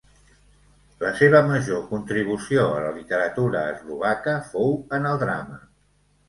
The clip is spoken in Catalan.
La seva major contribució a la literatura eslovaca fou en el drama.